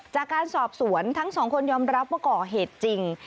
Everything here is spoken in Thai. จากการสอบสวนทั้งสองคนยอมรับว่าก่อเหตุจริง